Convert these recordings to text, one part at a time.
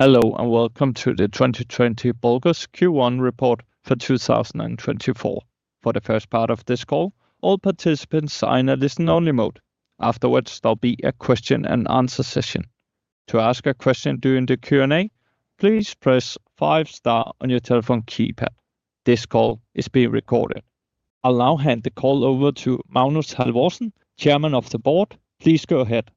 Hello and welcome to the 2020 Bulkers Q1 report for 2024. For the first part of this call, all participants are in a listen-only mode. Afterwards there'll be a question-and-answer session. To ask a question during the Q&A, please press 5-star on your telephone keypad. This call is being recorded. I'll now hand the call over to Magnus Halvorsen, Chairman of the Board. Please go ahead.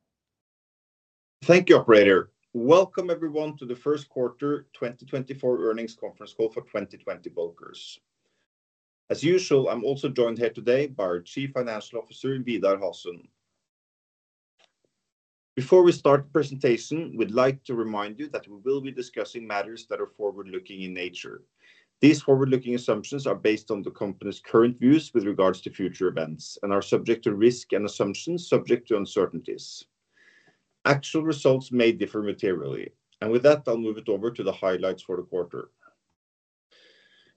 Thank you, Operator. Welcome everyone to the Q1 2024 earnings conference call for 2020 Bulkers. As usual, I'm also joined here today by our Chief Financial Officer, Vidar Hasund. Before we start the presentation, we'd like to remind you that we will be discussing matters that are forward-looking in nature. These forward-looking assumptions are based on the company's current views with regards to future events and are subject to risk and assumptions subject to uncertainties. Actual results may differ materially, and with that, I'll move it over to the highlights for the quarter.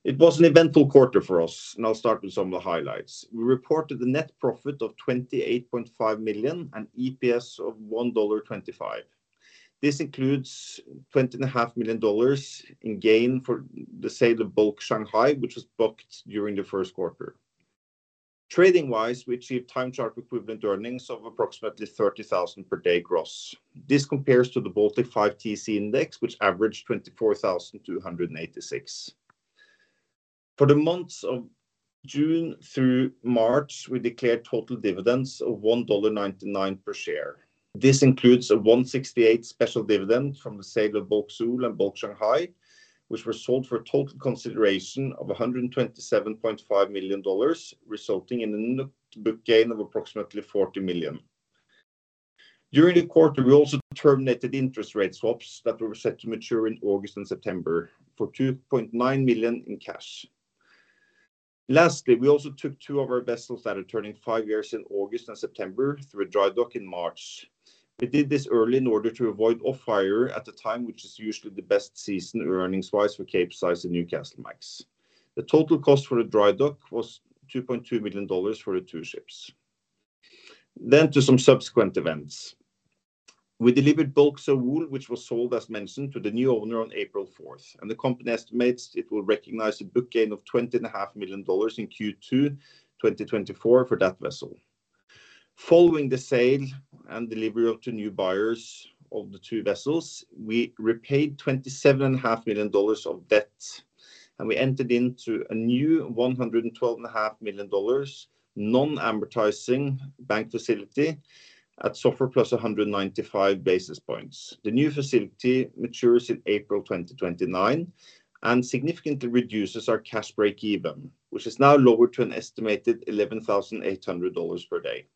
It was an eventful quarter for us, and I'll start with some of the highlights. We reported a net profit of $28.5 million and EPS of $1.25. This includes $20.5 million in gain for, sale of Bulk Shanghai, which was booked during the Q1. Trading-wise, we achieved time charter equivalent earnings of approximately 30,000 per day gross. This compares to the Baltic 5TC index, which averaged 24,286. For the months of June through March, we declared total dividends of $1.99 per share. This includes a $168 special dividend from the sale of Bulk Seoul and Bulk Shanghai, which were sold for a total consideration of $127.5 million, resulting in a net book gain of approximately $40 million. During the quarter, we also terminated interest rate swaps that were set to mature in August and September for $2.9 million in cash. Lastly, we also took two of our vessels that are turning five years in August and September through a dry dock in March. We did this early in order to avoid off-hire at a time which is usually the best season earnings-wise for Capesize and Newcastlemax. The total cost for the dry dock was $2.2 million for the two ships. Then to some subsequent events. We delivered Bulk Seoul which was sold, as mentioned, to the new owner on April 4th, and the company estimates it will recognize a book gain of $20.5 million in Q2 2024 for that vessel. Following the sale and delivery to new buyers of the two vessels, we repaid $27.5 million of debt, and we entered into a new $112.5 million non-amortizing bank facility at SOFR Plus 195 basis points. The new facility matures in April 2029 and significantly reduces our cash break-even, which is now lowered to an estimated $11,800 per day.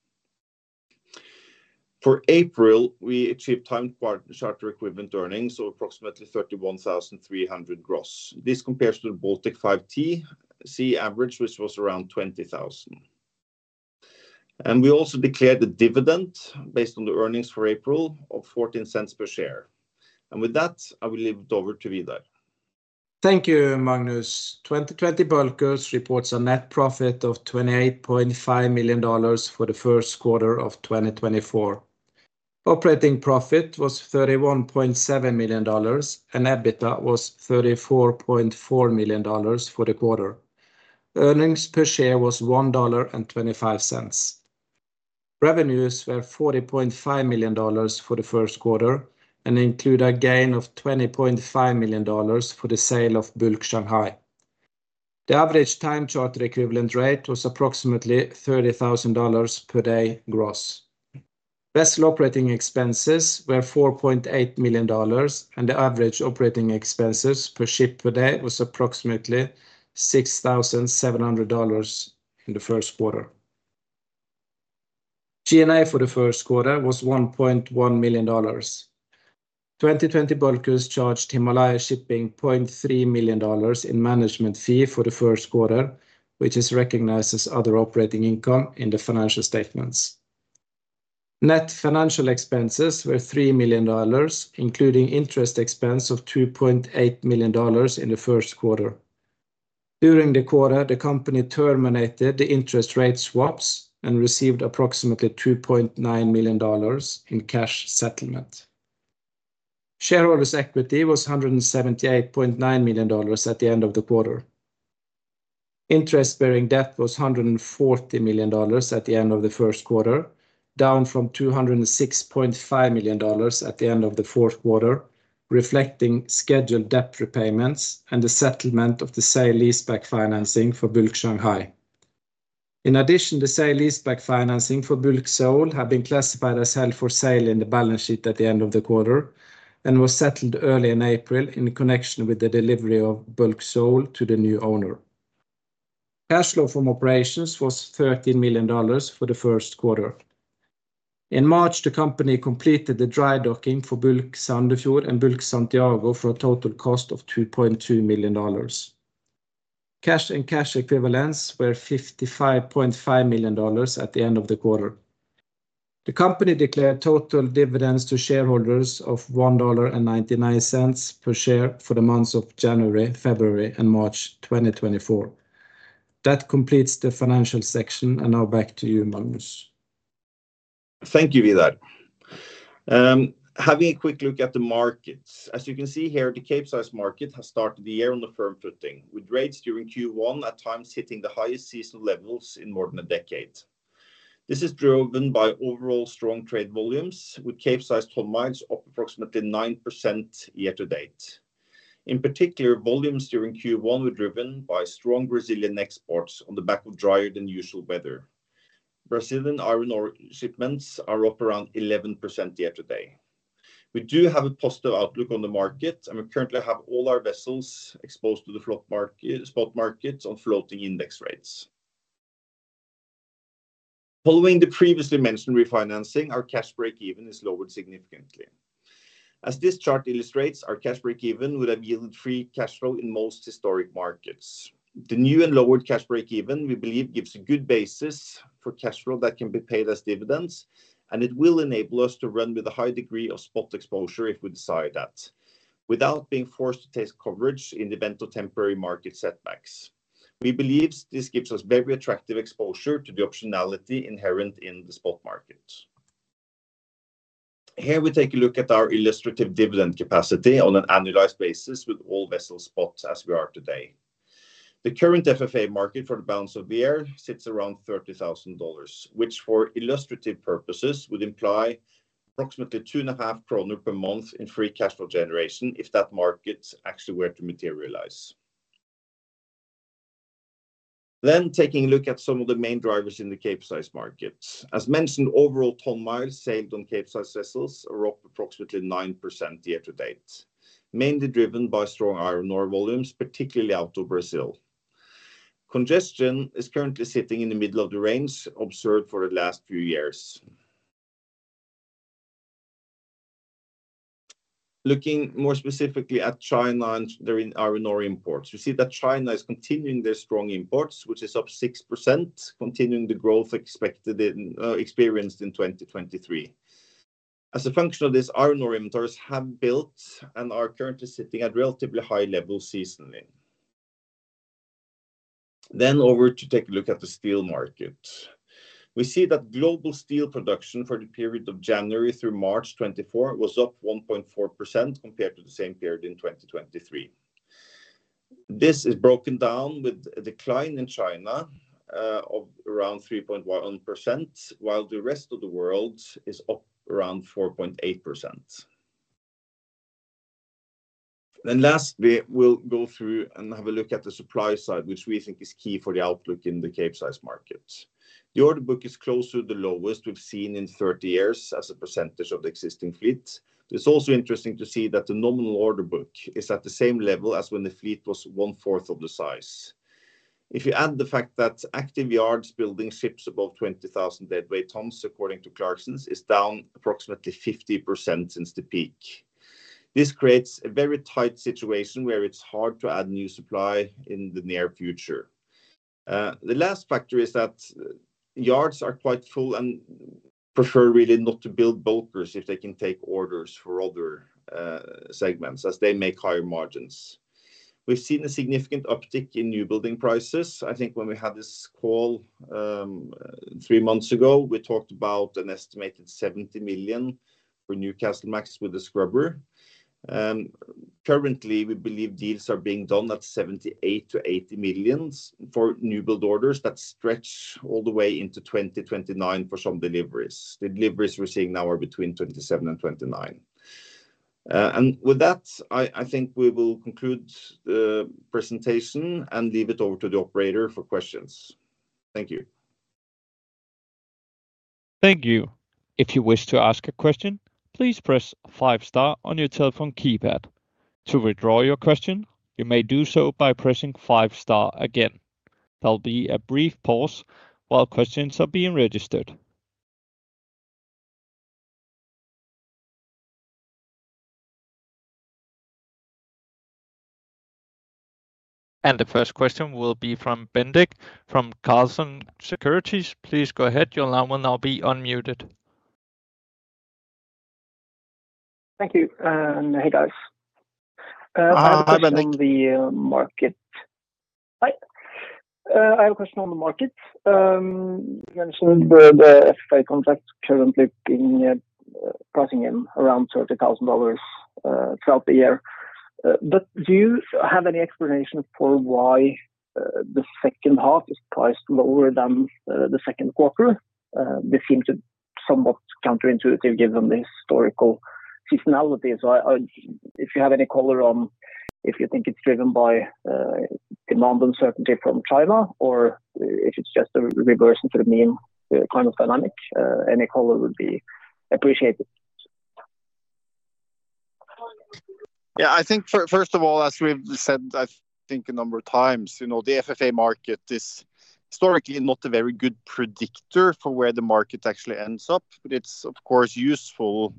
For April, we achieved time charter equivalent earnings of approximately 31,300 gross. This compares to the Baltic 5TC average, which was around 20,000. We also declared a dividend based on the earnings for April of $0.14 per share. With that, I will leave it over to Vidar. Thank you, Magnus. 2020 Bulkers reports a net profit of $28.5 million for the Q1 of 2024. Operating profit was $31.7 million, and EBITDA was $34.4 million for the quarter. Earnings per share was $1.25. Revenues were $40.5 million for the Q1 and include a gain of $20.5 million for the sale of Bulk Shanghai. The average time charter equivalent rate was approximately $30,000 per day gross. Vessel operating expenses were $4.8 million, and the average operating expenses per ship per day was approximately $6,700 in the Q1. G&A for the Q1 was $1.1 million. 2020 Bulkers charged Himalaya Shipping $0.3 million in management fee for the Q1, which is recognized as other operating income in the financial statements. Net financial expenses were $3 million, including interest expense of $2.8 million in the Q1. During the quarter, the company terminated the interest rate swaps and received approximately $2.9 million in cash settlement. Shareholders' equity was $178.9 million at the end of the quarter. Interest-bearing debt was $140 million at the end of the Q1, down from $206.5 million at the end of the Q4, reflecting scheduled debt repayments and the settlement of the sale leaseback financing for Bulk Shanghai. In addition, the sale leaseback financing for Bulk Seoul had been classified as held for sale in the balance sheet at the end of the quarter and was settled early in April in connection with the delivery of Bulk Seoul to the new owner. Cash flow from operations was $13 million for the Q1. In March, the company completed the dry docking for Bulk Sandefjord and Bulk Santiago for a total cost of $2.2 million. Cash and cash equivalents were $55.5 million at the end of the quarter. The company declared total dividends to shareholders of $1.99 per share for the months of January, February, and March 2024. That completes the financial section, and now back to you, Magnus. Thank you, Vidar. Having a quick look at the markets. As you can see here, the Capesize market has started the year on a firm footing, with rates during Q1 at times hitting the highest seasonal levels in more than a decade. This is driven by overall strong trade volumes, with Capesize ton-miles up approximately 9% year to date. In particular, volumes during Q1 were driven by strong Brazilian exports on the back of drier than usual weather. Brazilian iron ore shipments are up around 11% year to date. We do have a positive outlook on the market, and we currently have all our vessels exposed to the spot markets on floating index rates. Following the previously mentioned refinancing, our cash break-even is lowered significantly. As this chart illustrates, our cash break-even would have yielded free cash flow in most historic markets. The new and lowered cash break-even, we believe, gives a good basis for cash flow that can be paid as dividends, and it will enable us to run with a high degree of spot exposure if we decide that, without being forced to take coverage in event of temporary market setbacks. We believe this gives us very attractive exposure to the optionality inherent in the spot market. Here we take a look at our illustrative dividend capacity on an annualized basis with all vessels spot as we are today. The current FFA market for the balance of the year sits around $30,000, which for illustrative purposes would imply approximately 2.5 kroner per month in free cash flow generation if that market actually were to materialize. Then taking a look at some of the main drivers in the Capesize markets. As mentioned, overall ton-miles sailed on Capesize vessels are up approximately 9% year to date, mainly driven by strong iron ore volumes, particularly out of Brazil. Congestion is currently sitting in the middle of the range observed for the last few years. Looking more specifically at China and their iron ore imports, we see that China is continuing their strong imports, which is up 6%, continuing the growth expected experienced in 2023. As a function of this, iron ore inventories have built and are currently sitting at relatively high levels seasonally. Then over to take a look at the steel market. We see that global steel production for the period of January through March 2024 was up 1.4% compared to the same period in 2023. This is broken down with a decline in China of around 3.1%, while the rest of the world is up around 4.8%. Last, we will go through and have a look at the supply side, which we think is key for the outlook in the Capesize market. The order book is closer to the lowest we've seen in 30 years as a percentage of the existing fleet. It's also interesting to see that the nominal order book is at the same level as when the fleet was one-fourth of the size. If you add the fact that active yards building ships above 20,000 deadweight tons, according to Clarksons, is down approximately 50% since the peak. This creates a very tight situation where it's hard to add new supply in the near future. The last factor is that yards are quite full and prefer really not to build bulkers if they can take orders for other segments as they make higher margins. We've seen a significant uptick in new building prices. I think when we had this call three months ago, we talked about an estimated $70 million for Newcastlemax with the scrubber. Currently, we believe deals are being done at $78 million-$80 million for new build orders that stretch all the way into 2029 for some deliveries. The deliveries we're seeing now are between 2027 and 2029. And with that, I think we will conclude the presentation and leave it over to the Operator for questions. Thank you. Thank you. If you wish to ask a question, please press 5-star on your telephone keypad. To withdraw your question, you may do so by pressing 5-star again. There'll be a brief pause while questions are being registered. The first question will be from Bendik from Clarksons Securities. Please go ahead. Your line will now be unmuted. Thank you. Hey, guys. I have a question on the market. You mentioned the FFA contract currently pricing in around $30,000 throughout the year. But do you have any explanation for why the second half is priced lower than the Q2? This seemed somewhat counterintuitive given the historical seasonality. So if you have any color on, if you think it's driven by demand uncertainty from China or if it's just a reversal to the mean kind of dynamic, any color would be appreciated. Yeah, I think first of all, as we've said, I think a number of times, the FFA market is historically not a very good predictor for where the market actually ends up. But it's, of course, useful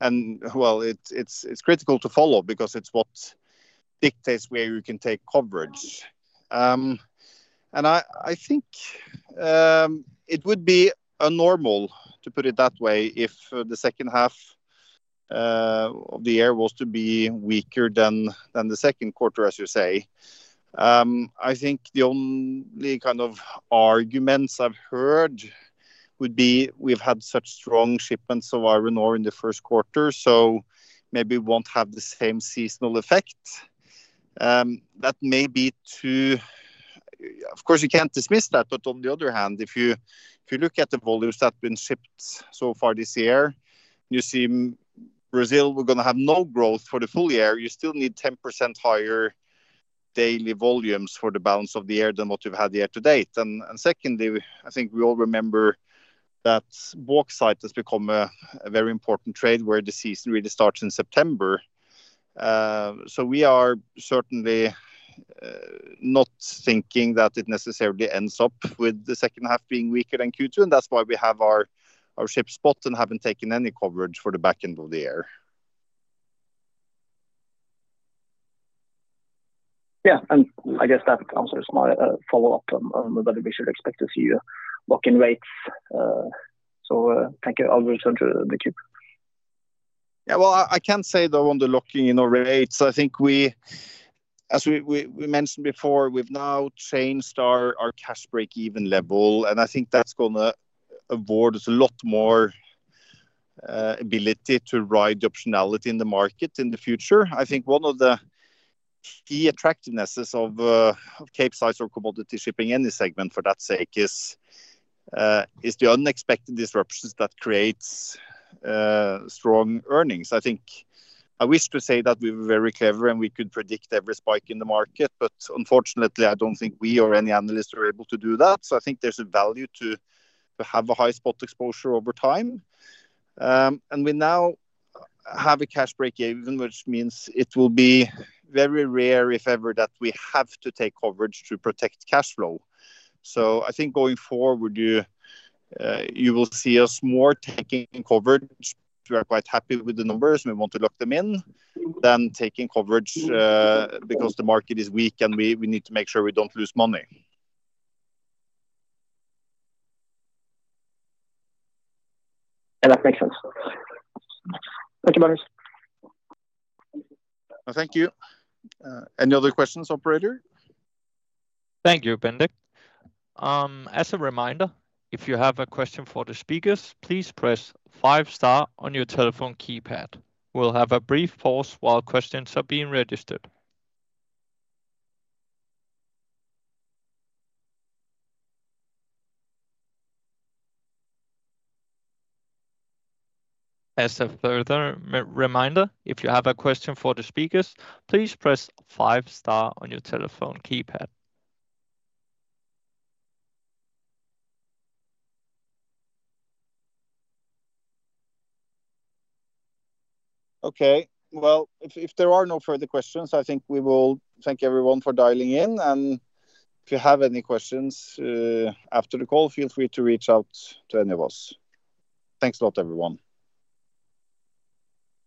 and, well, it's critical to follow because it's what dictates where you can take coverage. And I think it would be normal, to put it that way, if the second half of the year was to be weaker than the Q2, as you say. I think the only kind of arguments I've heard would be we've had such strong shipments of iron ore in the Q1, so maybe we won't have the same seasonal effect. That may be true, of course, you can't dismiss that. But on the other hand, if you look at the volumes that have been shipped so far this year and you see Brazil were going to have no growth for the full year, you still need 10% higher daily volumes for the balance of the year than what you've had year to date. And secondly, I think we all remember that bauxite has become a very important trade where the season really starts in September. So we are certainly not thinking that it necessarily ends up with the second half being weaker than Q2. And that's why we have our ship spot and haven't taken any coverage for the back end of the year. Yeah. I guess that answers my follow-up on whether we should expect to see lock-in rates. Thank you. I'll return to the queue. Yeah, well, I can't say, though, on the lock-in in our rates. I think, as we mentioned before, we've now changed our cash break-even level. And I think that's going to afford us a lot more ability to ride the optionality in the market in the future. I think one of the key attractiveness's of Capesize or commodity shipping any segment, for that sake, is the unexpected disruptions that creates strong earnings. I wish to say that we were very clever and we could predict every spike in the market. But unfortunately, I don't think we or any analysts are able to do that. So I think there's a value to have a high spot exposure over time. And we now have a cash break-even, which means it will be very rare, if ever, that we have to take coverage to protect cash flow. I think going forward, you will see us more taking coverage. We are quite happy with the numbers. We want to lock them in rather than taking coverage because the market is weak and we need to make sure we don't lose money. Yeah, that makes sense. Thank you, Magnus. Thank you. Any other questions, Operator? Thank you, Bendik. As a reminder, if you have a question for the speakers, please press 5-star on your telephone keypad. We'll have a brief pause while questions are being registered. As a further reminder, if you have a question for the speakers, please press 5-star on your telephone keypad. Okay. Well, if there are no further questions, I think we will thank everyone for dialing in. And if you have any questions after the call, feel free to reach out to any of us. Thanks a lot, everyone.